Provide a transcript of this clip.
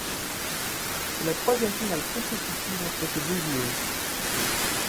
C'est la troisième finale consécutive entre ces deux joueuses.